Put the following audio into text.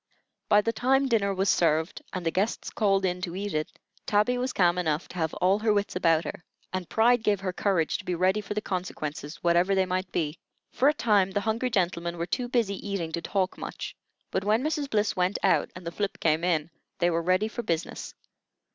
By the time dinner was served, and the guests called in to eat it, Tabby was calm enough to have all her wits about her, and pride gave her courage to be ready for the consequences, whatever they might be. For a time the hungry gentlemen were too busy eating to talk much; but when Mrs. Bliss went out, and the flip came in, they were ready for business.